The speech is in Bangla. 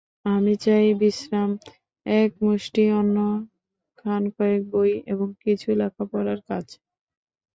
আমি চাই বিশ্রাম, একমুষ্টি অন্ন, খানকয়েক বই এবং কিছু লেখাপড়ার কাজ।